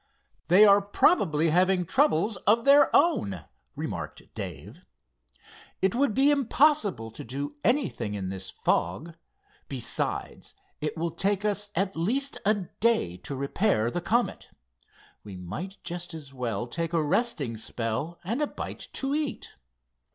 "They are probably having troubles of their own," remarked Dave. "It would be impossible to do anything in this fog. Besides, it will take us at least a day to repair the Comet. We might just as well take a resting spell and a bite to eat."